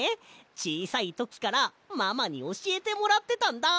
ちいさいときからママにおしえてもらってたんだ。